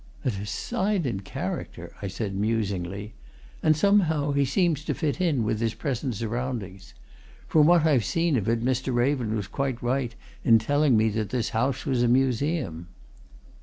"A decided character!" I said musingly. "And somehow, he seems to fit in with his present surroundings. From what I have seen of it, Mr. Raven was quite right in telling me that this house was a museum."